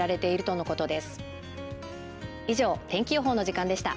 以上天気予報の時間でした。